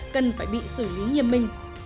cần phải bị xử lý như mình